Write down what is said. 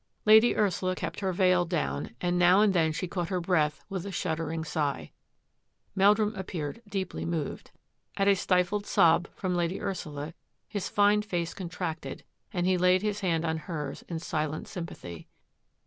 Lady Ursula kept her veil down, and now and then she caught her breath with a shuddering sigh. Meldrum appeared deeply moved. At a stifled sob from Lady Ursula his fine face contracted and he laid his hand on hers in silent sympathy.